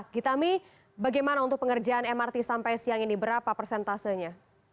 gitami bagaimana untuk pengerjaan mrt sampai siang ini berapa persentasenya